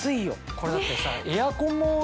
これだってさ。